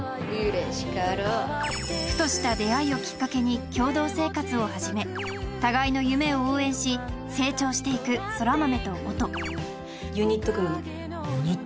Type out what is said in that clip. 嬉しかろうふとした出会いをきっかけに共同生活を始め互いの夢を応援し成長していく空豆と音ユニット組むのユニット？